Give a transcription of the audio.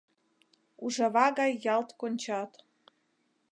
Ужава гай ялт кончат.